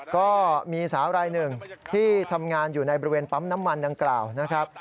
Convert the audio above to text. ก็มีสาวรายหนึ่งที่ทำงานอยู่ในบริเวณปั๊มน้ำมันดังกล่าวนะครับ